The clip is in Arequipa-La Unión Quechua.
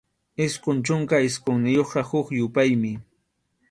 Isqun chunka isqunniyuqqa huk yupaymi.